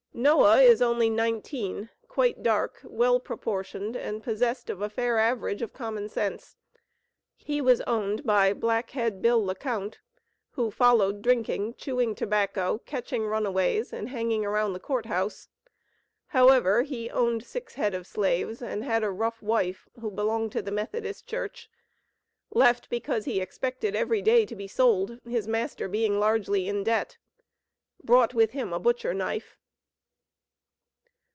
Noah is only nineteen, quite dark, well proportioned, and possessed of a fair average of common sense. He was owned by "Black head Bill LeCount," who "followed drinking, chewing tobacco, catching 'runaways,' and hanging around the court house." However, he owned six head of slaves, and had a "rough wife," who belonged to the Methodist Church. Left because he "expected every day to be sold" his master being largely in "debt." Brought with him a butcher knife.